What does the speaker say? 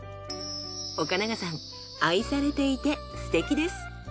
岡永さん愛されていてすてきです。